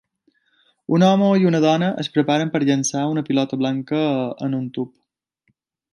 Un home i una dona es preparen per llançar una pilota blanca en un tub.